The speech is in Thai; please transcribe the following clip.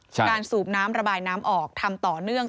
สูบน้ำระบายน้ำออกทำต่อเนื่อง